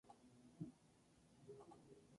Tiene hojas diminutas, lineales, enteras, caducas.